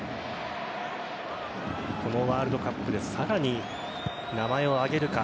このワールドカップでさらに名前をあげるか。